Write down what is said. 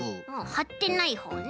はってないほうね。